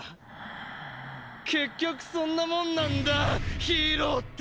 結局そんなもんなんだヒーローって！